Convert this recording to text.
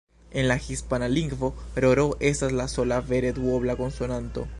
En la hispana lingvo "rr" estas la sola vere duobla konsonanto.